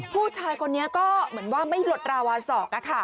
ผู้ชายคนนี้ก็เหมือนว่าไม่หลดราวาสอก